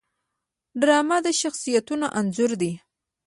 ډرامه د شخصیتونو انځور دی